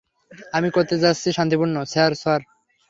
আমি করতে চাচ্ছি শান্তিপূর্ণ- স্যার, সর।